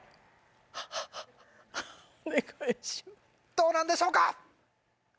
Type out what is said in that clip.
どうなんでしょうか？